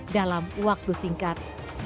dalam waktu singkat